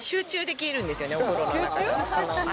お風呂の中。